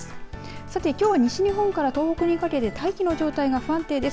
さて、きょうは西日本から東北にかけて大気の状態が不安定です。